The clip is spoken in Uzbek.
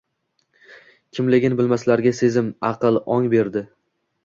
Kimligin bilmaslarga sezim, aql, ong berdi.